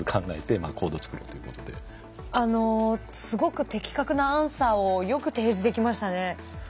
すごく的確なアンサーをよく提示できましたね。